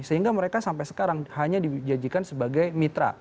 sehingga mereka sampai sekarang hanya dijadikan sebagai mitra